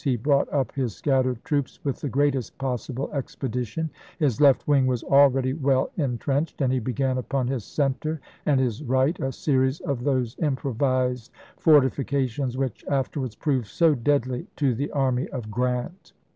He brought up his scattered troops with the greatest pos sible expedition; his left wing was akeady well in trenched, and he began upon his center and his right a series of those improvised fortifications which afterwards proved so deadly to the army of Grrant.